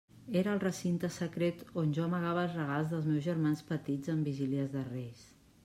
Era el recinte secret on jo amagava els regals dels meus germans petits en vigílies de Reis.